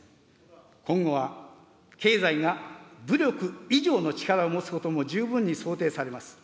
今後は経済が武力以上の力を持つことも十分に想定されます。